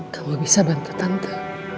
kamu bisa bantu tante